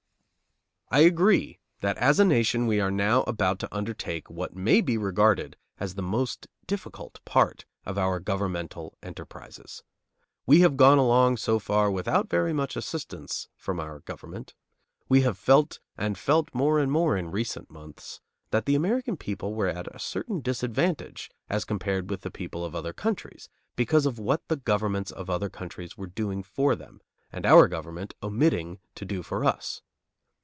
I agree that as a nation we are now about to undertake what may be regarded as the most difficult part of our governmental enterprises. We have gone along so far without very much assistance from our government. We have felt, and felt more and more in recent months, that the American people were at a certain disadvantage as compared with the people of other countries, because of what the governments of other countries were doing for them and our government omitting to do for us.